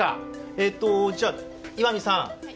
えっとじゃあ岩見さん。